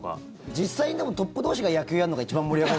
実際、トップ同士が野球やるのが一番盛り上がる。